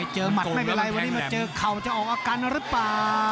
เจอค่ามันจะออกอากาศหรือเปล่า